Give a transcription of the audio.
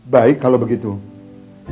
baik kalau bapak saya mencari ujian semester ini